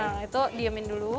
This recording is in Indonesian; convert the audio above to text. nah itu diemin dulu